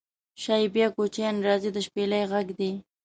شایي بیا کوچیان راځي د شپیلۍ غږدی